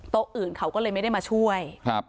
อื่นเขาก็เลยไม่ได้มาช่วย